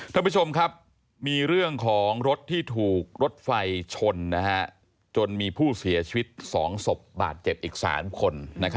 ท่านผู้ชมครับมีเรื่องของรถที่ถูกรถไฟชนจนมีผู้เสียชีวิต๒ศพบาดเจ็บอีก๓คน